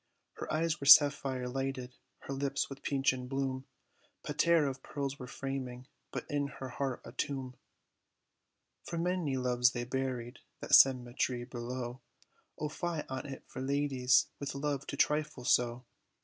Her eyes were sapphire lighted, her lips, with peachen bloom, Paterre of pearls were framing, but in her heart a tomb; For many loves lay buried, that cemet'ry below O fie on it for ladies, with love, to trifle so.